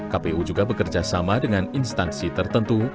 kpu juga bekerja sama dengan instansi tertentu